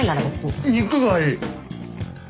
肉がいい！